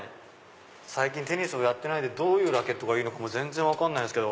最近テニスやってないんでどういうラケットがいいか全然分かんないですけど。